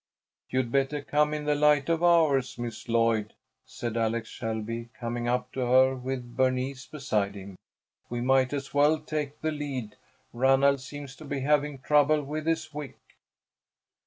"You'd better come in the light of ours, Miss Lloyd," said Alex Shelby, coming up to her with Bernice beside him. "We might as well take the lead. Ranald seems to be having trouble with his wick."